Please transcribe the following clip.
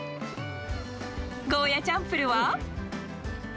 ゴーヤチャンプルーは。